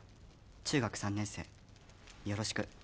中学３年生よろしく。